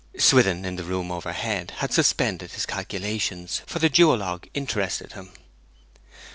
Swithin, in the room overhead, had suspended his calculations, for the duologue interested him.